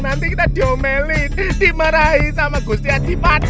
nanti kita diomelin dimerahi sama gusti haji pati